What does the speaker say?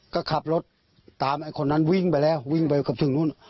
ก็ขับรถตามไอ้คนนั้นวิ่งไปแล้ววิ่งไปเกือบถึงนู่น